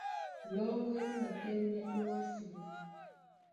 Lɔ́ŋgɔ́ ló matɛ́mɛ́ ówásē.